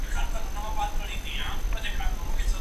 اقتصاد پوهانو د پرمختيا په اړه خپل نظريات څرګند کړي دي.